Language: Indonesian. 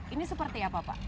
ini seperti apa pak